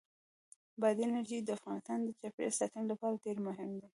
بادي انرژي د افغانستان د چاپیریال ساتنې لپاره ډېر مهم دي.